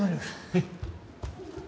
はい。